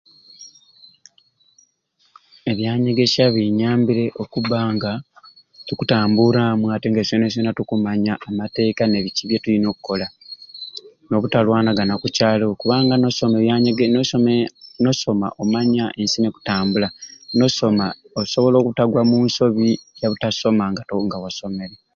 Ebyanyegesya binyambire okubanga tukutambura amwei atenga iswena iswena tukumanya amateka nebici byetuyina okola nobutalwanagana kukyalo kubanga nosoma ebyanyege nosoma omanya ensi nekutambula nosoma osobola obutagwa munsobi yabutasoma nga wasomere.